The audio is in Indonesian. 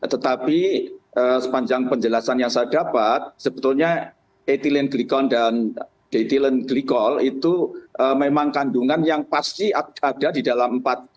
tetapi sepanjang penjelasan yang saya dapat sebetulnya etilen glikol dan detilen glikol itu memang kandungan yang pasti ada di dalam empat